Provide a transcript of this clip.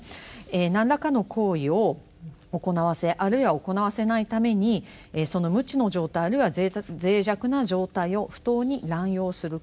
何らかの行為を行わせあるいは行わせないためにその無知の状態あるいは脆弱な状態を不当に乱用する行為。